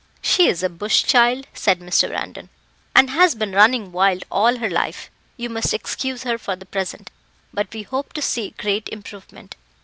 "She is a bush child," said Mr. Brandon, "and has been running wild all her life; you must excuse her for the present, but we hope to see great improvement."